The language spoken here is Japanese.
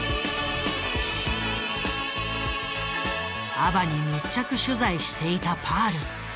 ＡＢＢＡに密着取材していたパール。